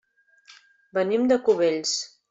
Venim de Cubells.